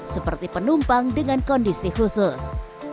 seperti penumpang dengan kondisi khusus